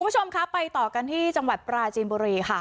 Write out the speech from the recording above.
คุณผู้ชมครับไปต่อกันที่จังหวัดปราจีนบุรีค่ะ